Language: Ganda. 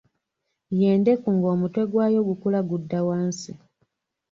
Ye ndeku ng'omutwe gwayo gukula gudda wansi.